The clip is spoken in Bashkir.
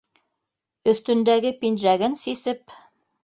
Өҫтөндәге пинжәген сисеп